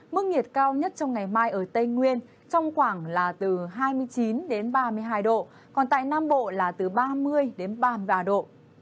mức nhiệt cao nhất trong ngày mai ở tây nguyên trong khoảng là từ hai mươi chín đến ba mươi hai độ còn tại nam bộ là từ ba mươi đến ba mươi ba độ